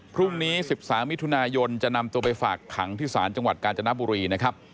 พรุ่งนี้๑๓มิถุนายนจะนำตัวไปฝากขังที่ศาลจังหวัดกาญจนบุรีนะครับ